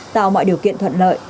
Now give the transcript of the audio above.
tạo mọi điều kiện thuận lợi